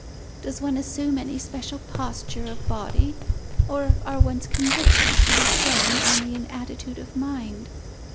"Does one assume any special posture of body, or are one's convictions to be shown only in attitude of mind?"